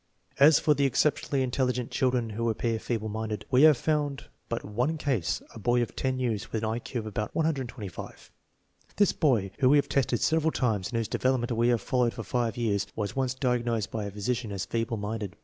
As for exceptionally intelligent children who appear feeble minded, we have found but. one case, a boy of 10 years with an I Q of about 125. This boy, whom we have tested several times and whose development we have fol lowed for five years, was once diagnosed by a physician as feeble minded.